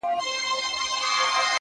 په رڼا كي يې پر زړه ځانمرگى وسي!